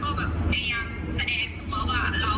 แต่มันเป็นเหมือนในคลิปด้วยค่ะ